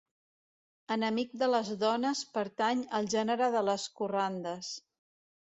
Enemic de les dones pertany al gènere de les corrandes.